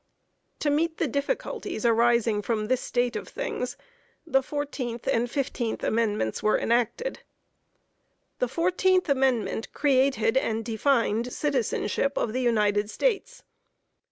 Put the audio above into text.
To meet the difficulties arising from this state of things, the 14th and 15th Amendments were enacted. The 14th Amendment created and defined citizenship of the United States.